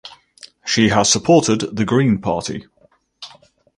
She has supported the Green Party.